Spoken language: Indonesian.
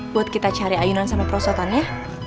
buat kita cari ayunan sama prosotan ya